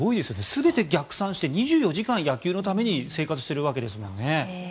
全て逆算して２４時間野球のために生活しているわけですもんね。